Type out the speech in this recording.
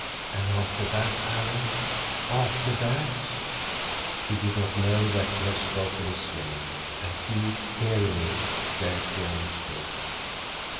"And after that, Alan; after that—" She did not know that she had spoken his name, and he, hearing it, scarcely understood.